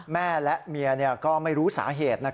แม่และเมียก็ไม่รู้สาเหตุ